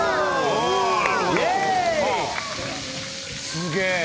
すげえ。